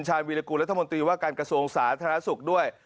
วีรกูลรัฐมนตรีว่าการกระทรวงสาธารณสุขด้วย